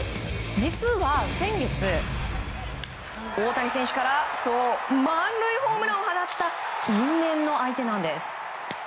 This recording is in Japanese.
実は先月、大谷選手から満塁ホームランを放った因縁の相手なんです。